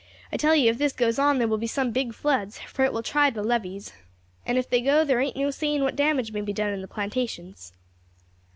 I tell you if this goes on there will be some big floods, for it will try the levees, and if they go there ain't no saying what damage may be done in the plantations."